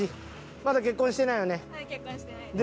まだ結婚してないです。